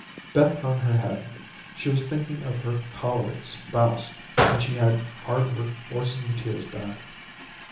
Beth hung her head. She was thinking of her choleric spouse, and she had hard work forcing the tears back.